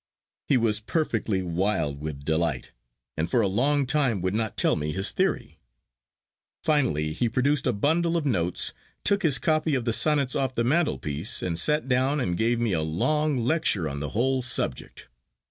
He was perfectly wild with delight, and for a long time would not tell me his theory. Finally, he produced a bundle of notes, took his copy of the Sonnets off the mantelpiece, and sat down and gave me a long lecture on the whole subject.